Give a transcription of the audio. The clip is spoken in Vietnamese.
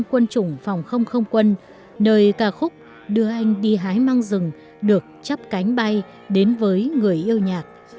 với quân chủng phòng quân nơi ca khúc đưa anh đi hái măng rừng được chấp cánh bay đến với người yêu nhạc